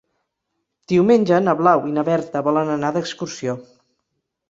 Diumenge na Blau i na Berta volen anar d'excursió.